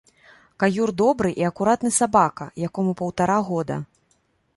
Каюр добры і акуратны сабака, якому паўтара года.